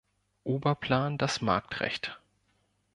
Oberplan das Marktrecht.